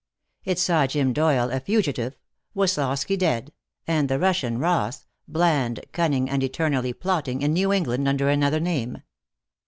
It saw Jim Doyle a fugitive, Woslosky dead, and the Russian, Ross, bland, cunning and eternally plotting, in New England under another name.